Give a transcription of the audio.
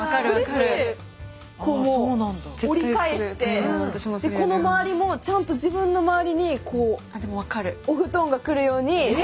こう折り返してこの周りもちゃんと自分の周りにこうお布団が来るように。